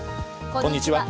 こんにちは。